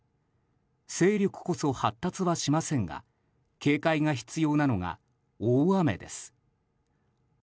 勢力こそ発達はしませんが警戒が必要なのが大雨です。